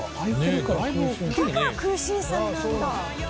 だから空心菜なんだ。